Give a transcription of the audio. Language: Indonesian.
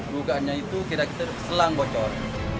lukanya itu kira kira selang bocor